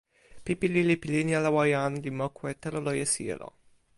pipi lili pi linja lawa jan li moku e telo loje sijelo.